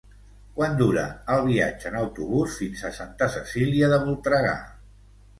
Quant dura el viatge en autobús fins a Santa Cecília de Voltregà?